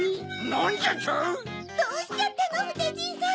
なんじゃと⁉どうしちゃったのふでじいさん！